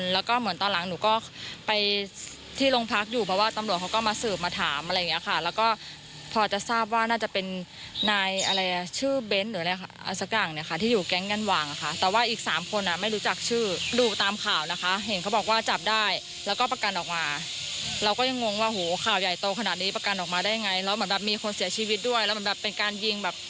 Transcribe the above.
แล้วมันเป็นการยิงอุกอาดมากจ้องมาฆ่าให้ตายทุกคนเลย